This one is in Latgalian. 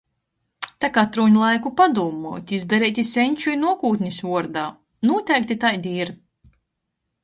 Tok atrūn laiku padūmuot, izdareit i seņču, i nuokūtnis vuordā. Nūteikti taidi ir!